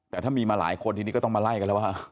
แต่ถ้ามีมาหลายคนทีนี้ก็ต้องมาไล่กันแล้วว่า